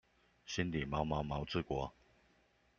心裡毛毛毛治國